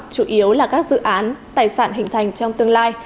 chủ yếu là các dự án tài sản hình thành trong tương lai